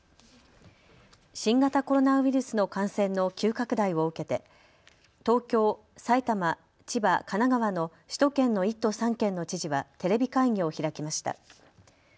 新型コロナウイルスの感染の急拡大を受けて東京、埼玉、千葉、神奈川の首都圏の１都３県の知事はテレビ会議を開きました。